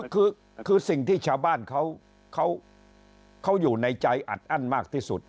คือสิ่งที่ชาวบ้านเขาอยู่ในใจอัดอั้นมากที่สุด